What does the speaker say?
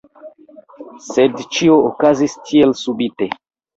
Sed ĉio okazis tielsubite.